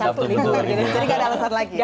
jadi nggak ada alasan lagi